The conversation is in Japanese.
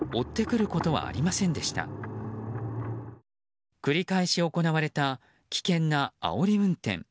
くり返し行われた危険なあおり運転。